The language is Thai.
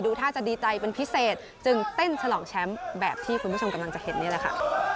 ท่าจะดีใจเป็นพิเศษจึงเต้นฉลองแชมป์แบบที่คุณผู้ชมกำลังจะเห็นนี่แหละค่ะ